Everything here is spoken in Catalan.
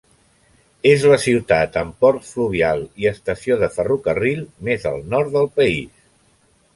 És la ciutat amb port fluvial i estació de ferrocarril més al nord del país.